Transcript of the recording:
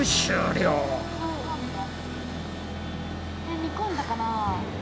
えっ煮込んだかな？